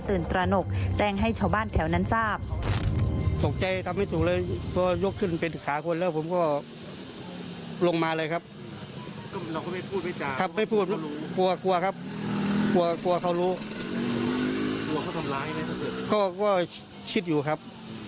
ตระหนกแจ้งให้ชาวบ้านแถวนั้นทราบ